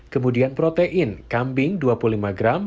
kemudian protein kambing dua puluh lima gram